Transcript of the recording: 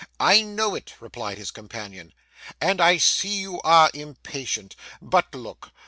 'I know it,' replied his companion, 'and I see you are impatient. But look.